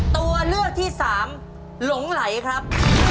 ตัวเลือกที่สามหลงไหลครับ